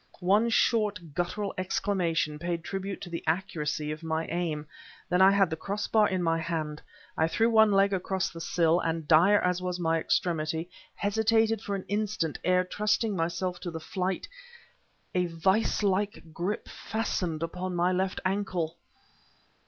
One short guttural exclamation paid tribute to the accuracy of my aim; then I had the crossbar in my hand. I threw one leg across the sill, and dire as was my extremity, hesitated for an instant ere trusting myself to the flight... A vise like grip fastened upon my left ankle.